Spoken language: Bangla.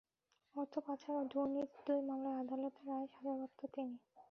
অর্থ পাচার ও দুর্নীতির দুই মামলায় আদালতের রায়ে সাজাপ্রাপ্ত তিনি।